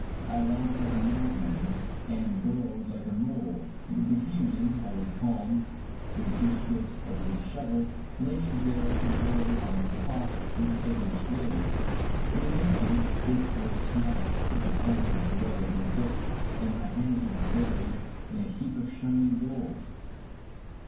I laughed like a madman, and bur rowed like a mole. The Bohemian, always calm, with a few strokes of his shovel laid bare an old iron pot with a loose lid. In an instant this was smashed with a frantic blow of my fist, and my hands were buried in a heap of shining gold